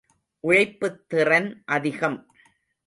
உழைப்புத் திறன் அதிகம்.